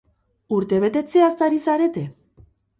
Urtebetetzeaz ari zarete?